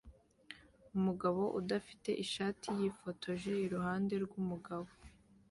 Umugabo udafite ishati yifotoje iruhande rwumugabo